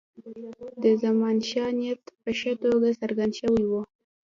د زمانشاه نیت په ښه توګه څرګند شوی وو.